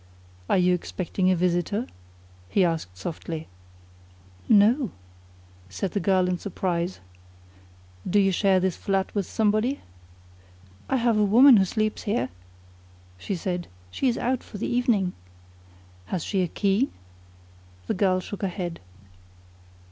"Are you expecting a visitor?" he asked softly. "No," said the girl in surprise. "Do you share this flat with somebody?" "I have a woman who sleeps here," she said. "She is out for the evening." "Has she a key?" The girl shook her head.